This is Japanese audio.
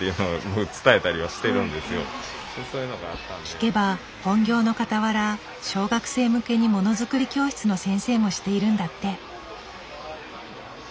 聞けば本業のかたわら小学生向けにものづくり教室の先生もしているんだって。